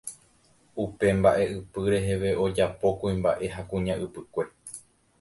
Upe mbaʼeʼypy reheve ojapo kuimbaʼe ha kuña ypykue.